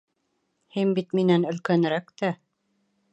Һин бит минән өлкәнерәк тә.